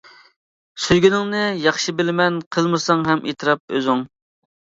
سۆيگىنىڭنى ياخشى بىلىمەن، قىلمىساڭ ھەم ئېتىراپ ئۆزۈڭ.